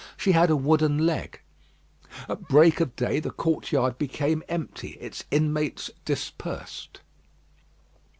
She had a wooden leg. At break of day, the courtyard became empty. Its inmates dispersed.